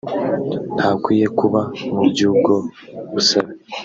ntakwiye kuba mu by’ubwo busabe